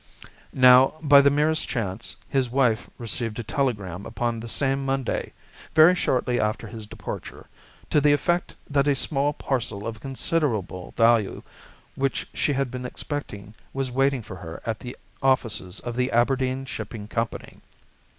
Now, by the merest chance, his wife received a telegram upon this same Monday, very shortly after his departure, to the effect that a small parcel of considerable value which she had been expecting was waiting for her at the offices of the Aberdeen Shipping Company.